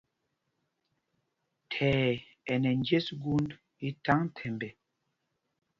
Thɛɛ ɛ nɛ njes gūnd i thaŋ thɛmbɛ.